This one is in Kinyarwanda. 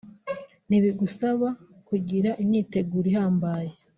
ntibigusaba kugira imyiteguro ihambaye